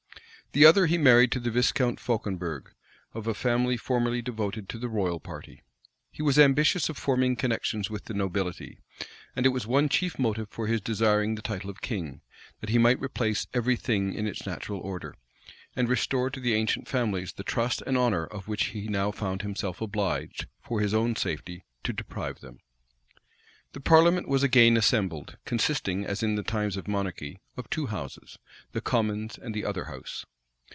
The other he married to the viscount Fauconberg of a family formerly devoted to the royal party. He was ambitious of forming connections with the nobility; and it was one chief motive for his desiring the title of king, that he might replace every thing in its natural order, and restore to the ancient families the trust and honor of which he now found himself obliged, for his own safety, to deprive them. {1658.} The parliament was again assembled; consisting, as in the times of monarchy, of two houses, the commons and the other house.